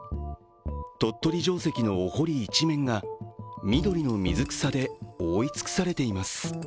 鳥取城性のお堀一面が緑の水草で覆い尽くされています。